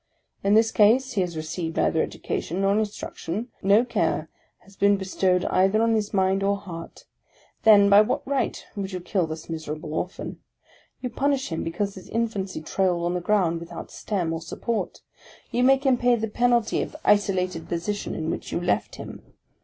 In this case, he has received neither education nor instruction ; no care has been bestowed either on his mind or heart; then, by what right would you kill this miserable orphan ? You punish him because his infancy trailed on the ground, without stem, or support ; you make him pay the penalty of the isolated position in which you left him!